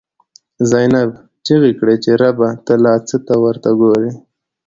«زینب» چیغی کړی چه ربه، ته لا څه ته ورته گوری